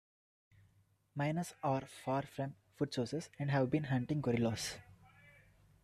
Miners are far from food sources and have been hunting gorillas.